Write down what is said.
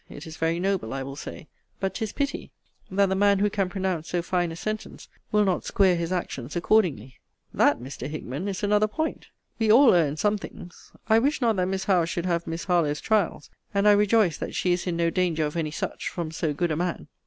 It is very noble, I will say. But 'tis pity, that the man who can pronounce so fine a sentence, will not square his actions accordingly. That, Mr. Hickman, is another point. We all err in some things. I wish not that Miss Howe should have Miss Harlowe's trials: and I rejoice that she is in no danger of any such from so good a man.